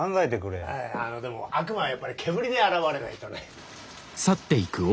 あのでも悪魔はやっぱり煙で現れないとね。